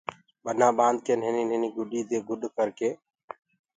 ٻنآ ٻآندڪي نهيني نهيني گدي دي گُڏ ڪرڪي